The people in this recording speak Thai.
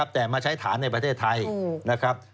แต่มาใช้ฐานในประเทศไทยนะครับ